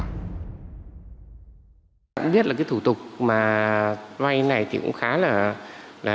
tôi biết là cái thủ tục mà vai này thì cũng khá là